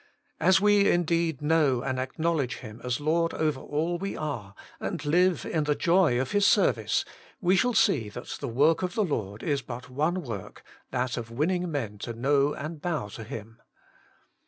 As we indeed know and acknowledge Him as Lord over all we are, and live in the joy of His service, we shall see that the work of the Lord is but one w^ork — that of ivinning uien to knoiv and bozv to Him.